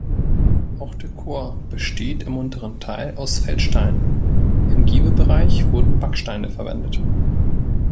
Auch der Chor besteht im unteren Teil aus Feldsteinen, im Giebelbereich wurden Backsteine verwendet.